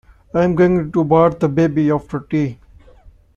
I'm going to bath the baby after tea